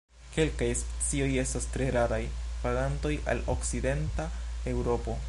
Kelkaj specioj estas tre raraj vagantoj al okcidenta Eŭropo.